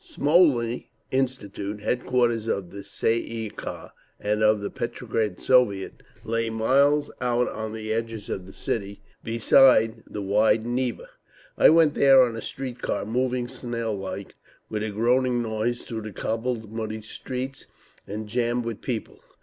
Smolny Institute, headquarters of the Tsay ee kah and of the Petrograd Soviet, lay miles out on the edge of the city, beside the wide Neva. I went there on a street car, moving snail like with a groaning noise through the cobbled, muddy streets, and jammed with people.